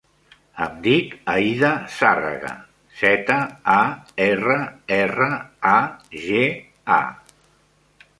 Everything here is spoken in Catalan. Em dic Aïda Zarraga: zeta, a, erra, erra, a, ge, a.